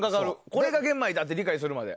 これが玄米だ！って理解するまで。